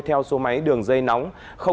theo số máy đường dây nóng